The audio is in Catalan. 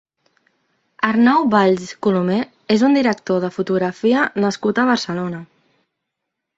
Arnau Valls Colomer és un director de fotografia nascut a Barcelona.